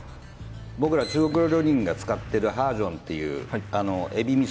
僕ら中華料理人が使ってるハージョンっていうエビ味噌